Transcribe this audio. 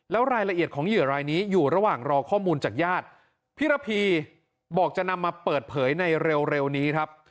แล้วรายละเอียดของเหยื่อรายนี้อยู่ระหว่างรอข้อมูลจากญาติพี่ระพีบอกจะนำมาเปิดเผยในเร็วนี้ครับ